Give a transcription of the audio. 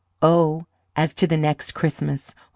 "Oh, as to the next Christmas.